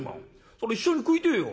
そら一緒に食いてえよ。